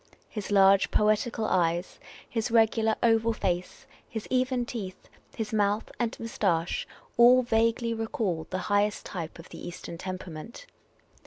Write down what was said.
His large, poetical eyes, his regular, oval face, his even teeth, his mouth and moustache, all vaguely recalled the highest type of the Eastern temperament.